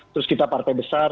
terus kita partai besar